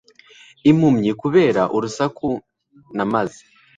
Impumyi kubera urusaku na maze